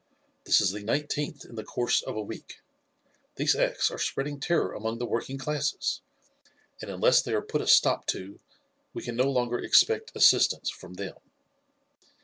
This is the nineteenth in the course of a week. These acts are spreading terror among the working classes, and unless they are put a stop to we can no longer expect assistance from them.